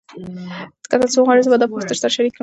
که تاسي وغواړئ زه به دا پوسټ درسره شریک کړم.